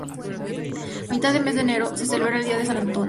A mitad de mes de enero se celebra el día de San Antón.